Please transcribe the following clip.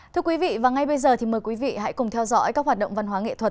thưa quý vị và ngay bây giờ thì mời quý vị hãy cùng theo dõi các hoạt động văn hóa nghệ thuật